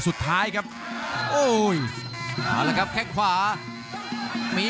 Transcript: รับทราบบรรดาศักดิ์